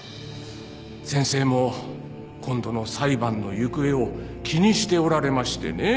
先生も今度の裁判の行方を気にしておられましてね。